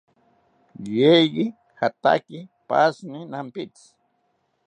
Yeye jataki pashini nampitzi